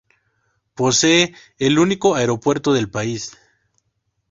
Posee el único aeropuerto del país.